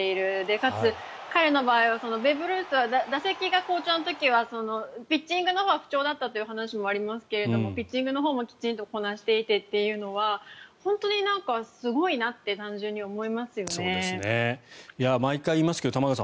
かつ、彼の場合はベーブ・ルースは打席が好調の時はピッチングのほうが不調だったという話がありますけどピッチングのほうもきちんとこなしていてというのは本当にすごいなって単純に思いますよね。